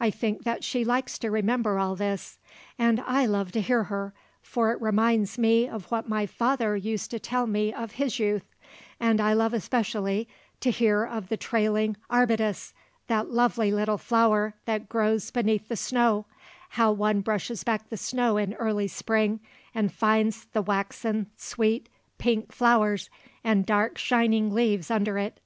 I think that she likes to remember all this; and I love to hear her, for it reminds me of what my father used to tell me of his youth; and I love especially to hear of the trailing arbutus, that lovely little flower that grows beneath the snow; how one brushes back the snow in early Spring and finds the waxen, sweet, pink flowers and dark, shining leaves under it.